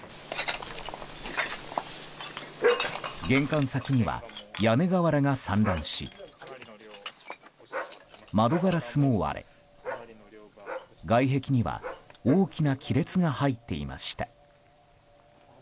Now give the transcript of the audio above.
玄関先には屋根瓦が散乱し窓ガラスも割れ外壁には大きな亀裂が入っていました。